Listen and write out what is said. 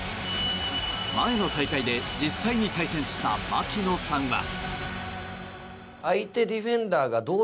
前の大会で実際に対戦した槙野さんは。